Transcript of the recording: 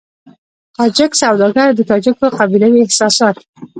تاجک سوداګر د تاجکو قبيلوي احساسات.